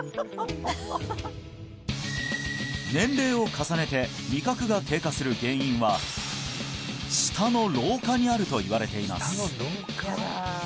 年齢を重ねて味覚が低下する原因は舌の老化にあるといわれています